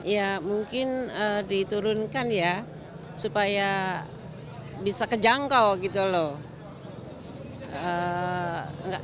ya mungkin diturunkan ya supaya bisa kejangkau gitu loh